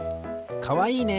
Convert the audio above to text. かわいいね！